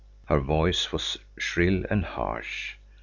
Her voice was shrill and harsh.